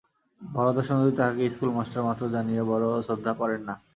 বরদাসুন্দরী তাঁহাকে ইস্কুল-মাস্টার মাত্র জানিয়া বড়ো শ্রদ্ধা করেন না।